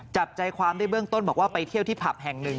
จับใจความได้เบื้องต้นบอกว่าไปเที่ยวที่ผับแห่งหนึ่ง